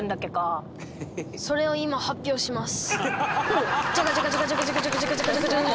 それを今発表します。